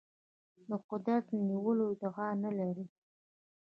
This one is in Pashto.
د قدرت د نیولو ادعا نه لري.